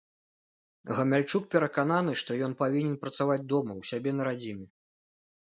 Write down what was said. Гамяльчук перакананы, што ён павінен працаваць дома, у сябе на радзіме.